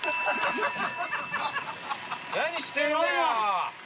何してんだよ。